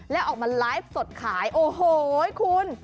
แล้วออกมาไลฟ์สดขายโอ้โหคุณ